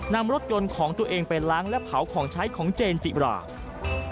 นำรถยนต์ของตัวเองไปล้างและเผาของใช้ของเจนจิรา